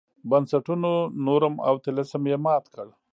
بنسټونو نورم او طلسم یې مات کړ.